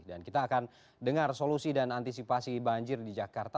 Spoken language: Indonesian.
dan kita akan dengar solusi dan antisipasi banjir di jakarta